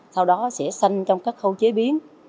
sau đó sẽ sân trong các khâu chế biến